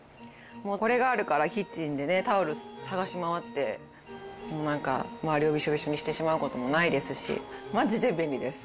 もうこれがあるからキッチンでねタオル探し回ってなんか周りをビショビショにしてしまう事もないですしマジで便利です。